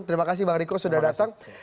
terima kasih bang riko sudah datang